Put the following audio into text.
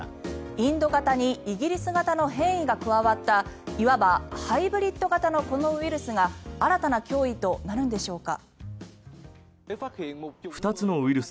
インド型にイギリス型の変異が加わったいわばハイブリッド型のこのウイルスが新たな脅威となるんでしょうか。